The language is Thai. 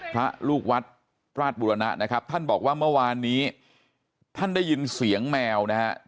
พระลูกวัดราชบุรณะนะครับท่านบอกว่าเมื่อวานนี้ท่านได้ยินเสียงแมวนะฮะ